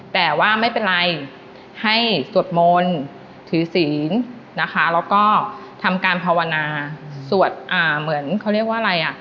แต่ว่าไม่เป็นไรให้สวดมนต์ถือศีลแล้วก็ทำการภาวนา